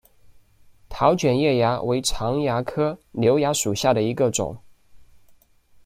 桃卷叶蚜为常蚜科瘤蚜属下的一个种。